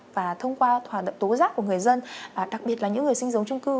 và thông qua hoạt động tố giác của người dân đặc biệt là những người sinh giống trung cư